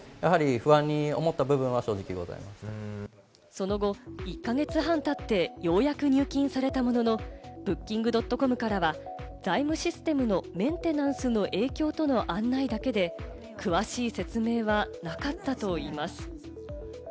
その後、１か月半たってようやく入金されたものの、Ｂｏｏｋｉｎｇ．ｃｏｍからは財務システムのメンテナンスの影響との案内だけで、詳しい説明はなかったといいます。